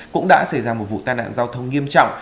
cũng đã xảy ra một vụ tai nạn giao thông nghiêm trọng